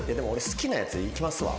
好きなやついきますわ。